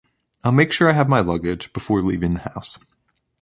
I’ll make sure I have my luggage before leaving the house.